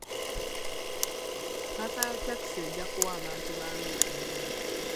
Paaka ya takisi ejja kuwa abantu ba Arua emirimu.